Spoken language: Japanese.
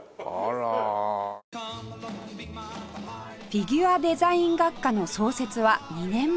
フィギュアデザイン学科の創設は２年前